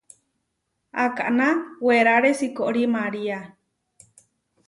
Akaná weraré sikorí María.